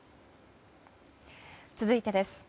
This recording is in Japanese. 続いてです。